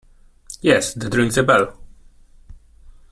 Yes, that rings a bell.